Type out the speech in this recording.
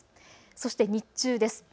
そして日中です。